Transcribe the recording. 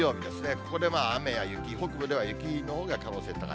ここでまあ、雨や雪、北部では雪のほうが可能性高い。